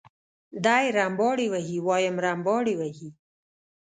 دی رمباړې وهي وایم رمباړې وهي.